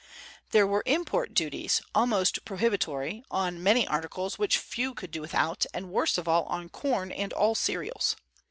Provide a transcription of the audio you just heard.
There were import duties, almost prohibitory, on many articles which few could do without, and worst of all, on corn and all cereals.